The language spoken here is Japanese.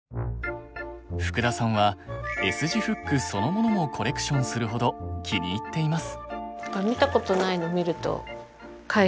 福田さんはＳ字フックそのものもコレクションするほど気に入っています。